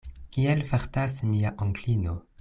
Kiel fartas mia onklino?